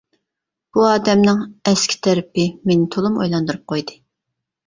بۇ ئادەمنىڭ «ئەسكى» تەرىپى مېنى تولىمۇ ئويلاندۇرۇپ قويدى.